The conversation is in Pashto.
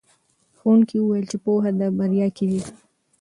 ښوونکي وویل چې پوهه د بریا کیلي ده.